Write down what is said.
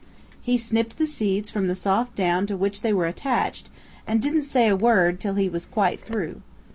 He snipped the seeds from the soft down to which they were attached and didn't say a word till he was quite through.